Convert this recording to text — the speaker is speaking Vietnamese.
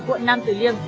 quận nam từ liêm